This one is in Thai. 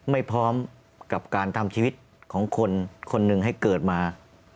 ไม่พร้อมกับการทำชีวิตของคนคนหนึ่งให้เกิดมา